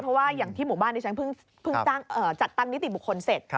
เพราะว่าอย่างที่หมู่บ้านที่ฉันเพิ่งจัดตั้งนิติบุคคลเสร็จ